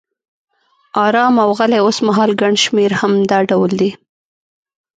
آرام او غلی، اوسمهال ګڼ شمېر هم دا ډول دي.